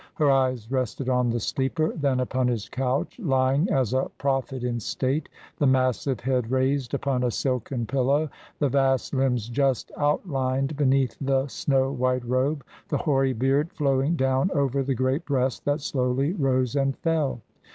Her eyes rested on the sleeper, then upon his couch, lying as a prophet in state, the massive head raised upon a silken pillow, the vast limbs just outlined beneath the snow white robe, the hoary beard flowing down over the great breast that slowly rose and fell.